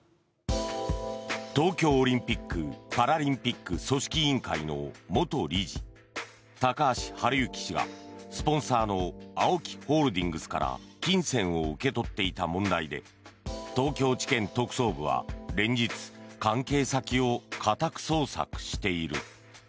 東京オリンピック・パラリンピック組織委員会の元理事高橋治之氏がスポンサーのＡＯＫＩホールディングスから金銭を受け取っていた問題で東京地検特捜部は連日、関係先を家宅捜索している。